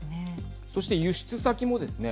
そして輸出先もですね